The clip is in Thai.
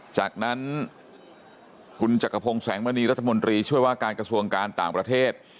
จากนั้นคุณจักรพงศ์แสงมณีรัฐมนตรีช่วยว่าการกระทรวงการต่างประเทศ